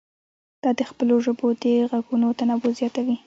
دا د خپلو ژبو د غږونو تنوع زیاتوي.